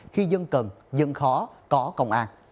khi dân cần dân khó có công an